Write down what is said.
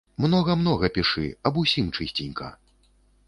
Многа-многа пішы, аб усім чысценька.